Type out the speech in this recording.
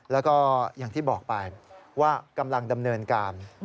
แล้วก็อย่างที่บอกไปว่ากำลังดำเนินการ